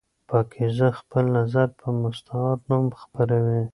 پاکیزه خپل نظر په مستعار نوم خپروي.